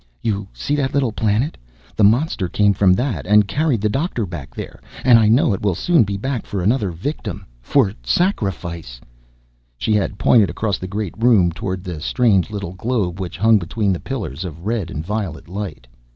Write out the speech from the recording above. "You see that little planet? The monster came from that and carried the doctor back there. And I know it will soon be back for another victim for sacrifice!" She had pointed across the great room, toward the strange little globe which hung between the pillars of red and violet light.